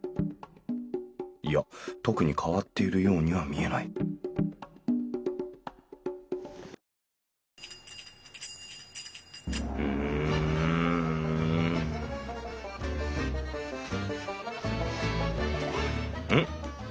いや特に変わっているようには見えないうんん？